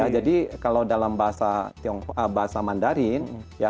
jadi kalau dalam bahasa mandarin